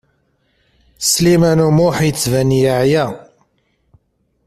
Sliman U Muḥ yettban yeɛya.